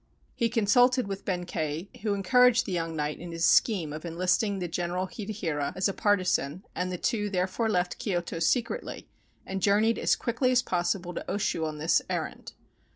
He consulted with Benkei, who encouraged the young knight in his scheme of enlisting the General Hidehira as a partisan, and the two there fore left Kyoto secretly and journeyed as quickly as possible to Oshu on this errand.